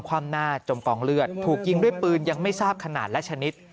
ความหน้าจมกองเลือดถูกยิงด้วยปืนยังไม่ทราบขนาดและชนิด